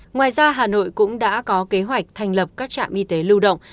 ngoài ra hà nội cũng đã có kế hoạch thành lập các trạm y tế lưu động